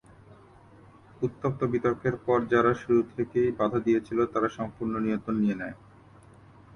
উত্তপ্ত বিতর্কের পর যারা শুরু থেকেই বাধা দিয়েছিল তারা সম্পূর্ণ নিয়ন্ত্রণ নিয়ে নেয়।